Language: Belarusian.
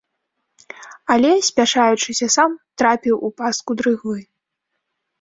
Але, спяшаючыся, сам трапіў у пастку дрыгвы.